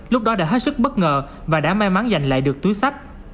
lúc đó đã hết sức bất ngờ và đã may mắn giành lại được túi sách